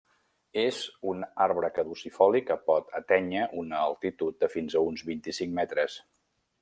És un arbre caducifoli que pot atènyer una altitud de fins a uns vint-i-cinc metres.